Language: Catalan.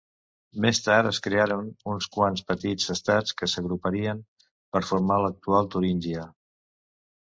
Més tard, es crearen uns quants petits estats que s'agruparien per formar l'actual Turíngia.